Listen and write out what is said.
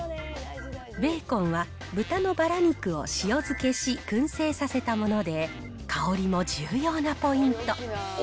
ベーコンは豚のバラ肉を塩漬けし、くん製させたもので、香りも重要なポイント。